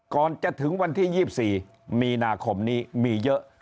ก่อนจะถึงวันที่๒๔มีนาคมนี้มีเยอะ